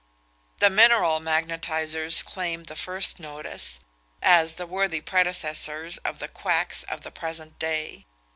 The mineral magnetisers claim the first notice, as the worthy predecessors of the quacks of the present day.